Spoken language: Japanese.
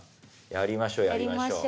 やりましょうやりましょう。